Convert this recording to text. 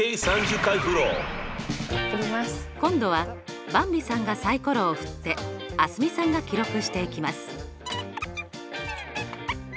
今度はばんびさんがサイコロを振って蒼澄さんが記録していきます。